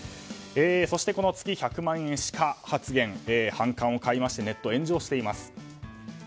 そして月１００万しか発言反感を買いましてネットで炎上しています。